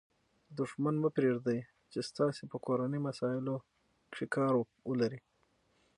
دوښمن مه پرېږدئ، چي ستاسي په کورنۍ مسائلو کښي کار ولري.